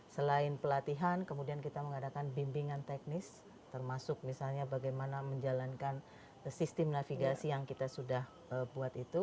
selain pelatihan kemudian kita mengadakan bimbingan teknis termasuk misalnya bagaimana menjalankan sistem navigasi yang kita sudah buat itu